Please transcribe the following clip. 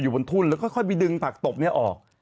อยู่บนทุนแล้วก็ค่อยไปดึงผลักตบเนี่ยออก